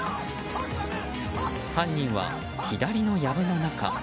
犯人は左のやぶの中。